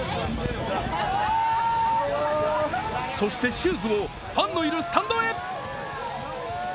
そしてシューズをファンのいるスタンドへ。